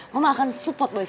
mama akan support boy